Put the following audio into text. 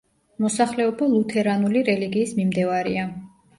მოსახლეობა ლუთერანული რელიგიის მიმდევარია.